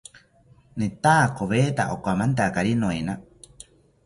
Netakoweta okamantakari noena